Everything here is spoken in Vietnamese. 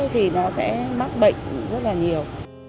thì nó sẽ mắc bệnh rất là nhiều